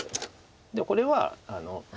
でこれは。